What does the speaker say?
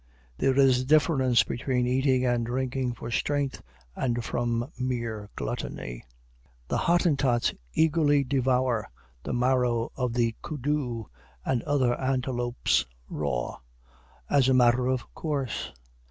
There is a difference between eating and drinking for strength and from mere gluttony. The Hottentots eagerly devour the marrow of the koodoo and other antelopes raw, as a matter of course.